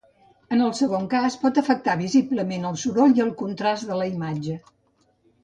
En el segon cas, pot afectar visiblement el soroll i el contrast de la imatge.